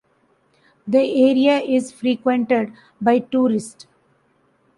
The area is frequented by tourists.